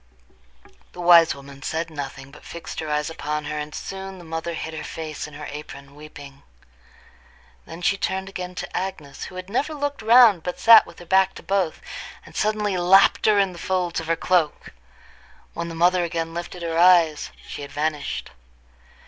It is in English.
The wise woman said nothing, but fixed her eyes upon her, and soon the mother hid her face in her apron weeping. Then she turned again to Agnes, who had never looked round but sat with her back to both, and suddenly lapped her in the folds of her cloak. When the mother again lifted her eyes, she had vanished.